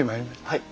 はい。